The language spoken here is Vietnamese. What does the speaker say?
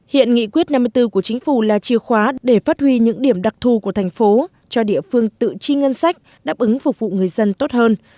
hiện nghị quyết năm mươi bốn của chính phủ là chìa khóa để phát huy những điểm đặc thù của thành phố cho địa phương tự chi ngân sách đáp ứng phục vụ người dân tốt hơn